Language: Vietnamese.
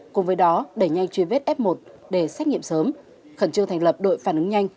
cùng với đó đẩy nhanh truy vết f một để xét nghiệm sớm khẩn trương thành lập đội phản ứng nhanh